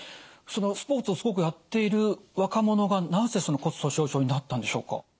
スポーツをすごくやっている若者がなぜ骨粗しょう症になったんでしょうか。